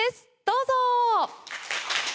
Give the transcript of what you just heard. どうぞ！